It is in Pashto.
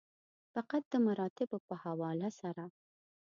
فقط د مراتبو په حواله سره.